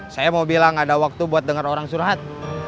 saya mau bilang ada waktu buat denger orang surhat